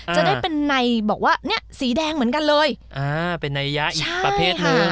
จะได้เป็นในบอกว่าเนี่ยสีแดงเหมือนกันเลยอ่าเป็นนัยยะอีกประเภทหนึ่ง